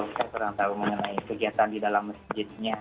saya kurang tahu mengenai kegiatan di dalam masjidnya